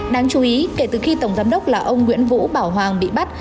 đáng chú ý kể từ khi tổng giám đốc là ông nguyễn vũ bảo hoàng bị bắt